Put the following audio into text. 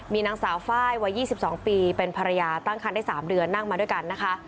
มีนางสาวไฟล์วัย๒๒ปีเป็นภรรยาตั้งคันได้๓เดือนนั่งมาด้วยกันนะคะ